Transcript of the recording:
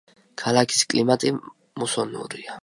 ქალაქის კლიმატი მუსონურია.